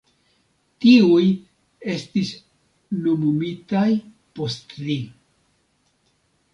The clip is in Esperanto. Tiuj estis nomumitaj post li.